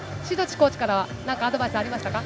コーチからは何かアドバイスありましたか？